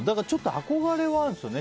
憧れはあるんですよね。